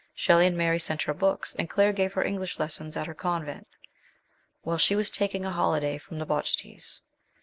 Shelley and Mary sent her books, and Claire gave her English lessons at her convent, while she was taking a holiday from the Bojtis.